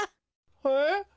えっ？